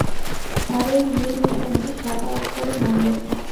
তারই নীল নিশানে সাদা অক্ষরে নাম লেখা।